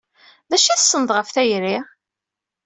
D acu ay tessned ɣef tayri?